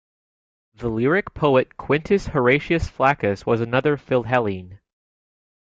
The lyric poet Quintus Horatius Flaccus was another philhellene.